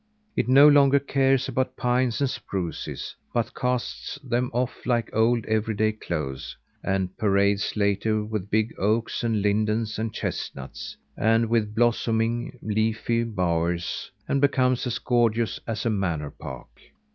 It no longer cares about pines and spruces, but casts them off like old every day clothes, and parades later with big oaks and lindens and chestnuts, and with blossoming leafy bowers, and becomes as gorgeous as a manor park.